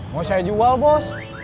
mau saya jual bos